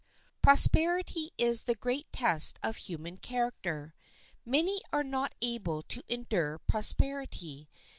] Prosperity is the great test of human character. Many are not able to endure prosperity.